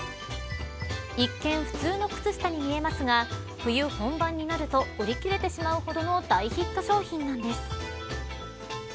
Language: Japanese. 一見、普通の靴下に見えますが冬本番になると売り切れてしまうほどの大ヒット商品なんです。